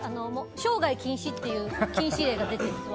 生涯禁止という禁止令が出ているんです。